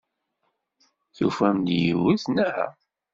Tufam-d yiwet, naɣ?